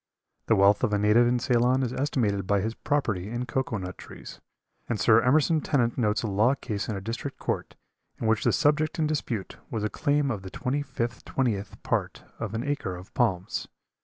The wealth of a native in Ceylon is estimated by his property in cocoa nut trees, and Sir Emerson Tennent notes a law case in a district court in which the subject in dispute was a claim of the twenty fifth twentieth part of an acre of palms.